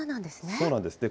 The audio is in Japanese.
そうなんですね。